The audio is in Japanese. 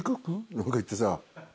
なんか言ってさ。